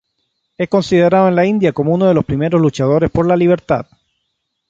Es considerado en la India como uno de los primeros luchadores por la libertad.